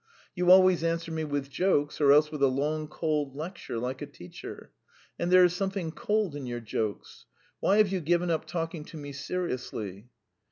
You always answer me with jokes or else with a long cold lecture like a teacher. And there is something cold in your jokes. ... Why have you given up talking to me seriously?"